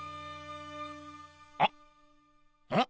あっうん？